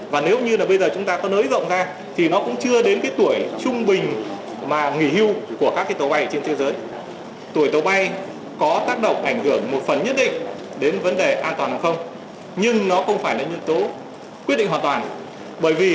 và nếu như là bây giờ chúng ta có nâng độ tuổi tàu bay thì chúng ta cũng thấy rằng là cái tuổi của chúng ta là quá chặt chẽ